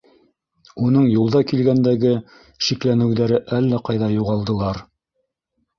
Уның юлда килгәндәге шикләнеүҙәре әллә ҡайҙа юғалдылар.